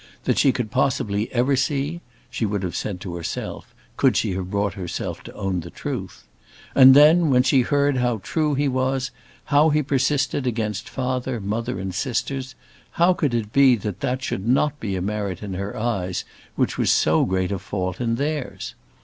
that she could possibly ever see, she would have said to herself, could she have brought herself to own the truth? And then, when she heard how true he was, how he persisted against father, mother, and sisters, how could it be that that should not be a merit in her eyes which was so great a fault in theirs?